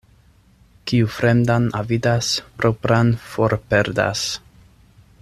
Kiu fremdan avidas, propran forperdas.